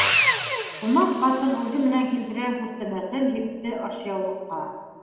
Ҡунаҡ ҡатын үҙе менән килтергән күстәнәсен һипте ашъяулыҡҡа: